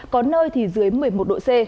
có nơi thì dưới một mươi một độ c